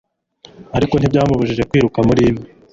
ariko ntibyamubujije kwiruka muri imwe .